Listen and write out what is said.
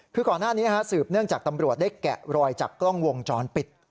คือก่อนหน้านี้สืบเนื่องจากตำรวจได้แกะรอยจากกล้องวงจรปิด